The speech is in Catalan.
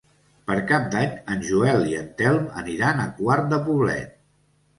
Per Cap d'Any en Joel i en Telm aniran a Quart de Poblet.